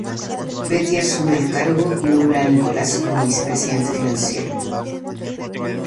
Betty asume el cargo y nombra a Nicolás como vicepresidente financiero.